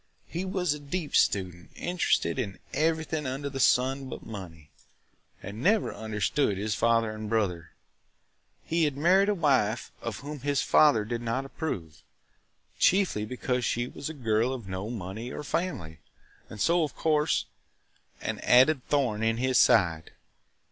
He was a deep student, interested in everything under the sun but money, and never understood his father and brother. He had married a wife of whom his father did not approve, chiefly because she was a girl of no money or family, and so, of course, an added thorn in his side.